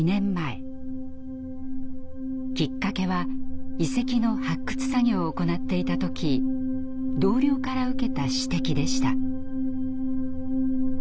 きっかけは遺跡の発掘作業を行っていた時同僚から受けた指摘でした。